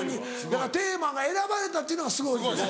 だからテーマが選ばれたっていうのがすごいよな。